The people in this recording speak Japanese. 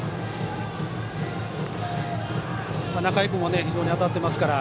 仲井君も非常に当たってますから。